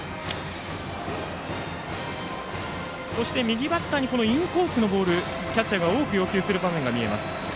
そして右バッターにはインコースのボールをキャッチャーが多く要求する場面が見られます。